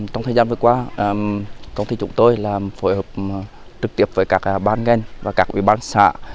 trong thời gian vừa qua công ty chúng tôi là phối hợp trực tiếp với các ban nghen và các ủy ban xã